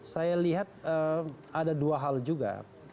saya lihat ada dua hal juga